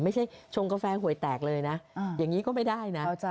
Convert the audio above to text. ชงกาแฟหวยแตกเลยนะอย่างนี้ก็ไม่ได้นะ